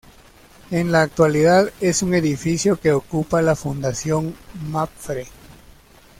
En la actualidad es un edificio que ocupa la Fundación Mapfre.